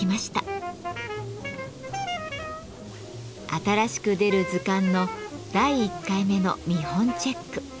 新しく出る図鑑の第１回目の見本チェック。